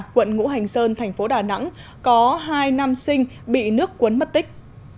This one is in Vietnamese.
quận ngũ hành sơn thành phố đà nẵng có hai nam sinh bị nước cuốn mất tích